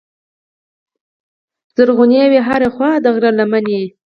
زرغونې وې هره خوا د غرو لمنې